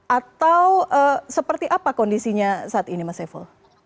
atau seperti apa kondisinya saat ini mas saiful